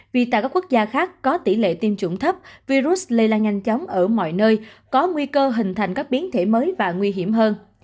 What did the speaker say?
vì tại các quốc gia khác có tỷ lệ tiêm chủng thấp virus lây lan nhanh chóng ở mọi nơi có nguy cơ hình thành các biến thể mới và nguy hiểm hơn